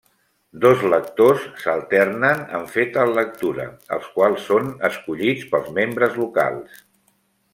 Dos lectors s'alternen en fer tal lectura, els quals són escollits pels membres locals.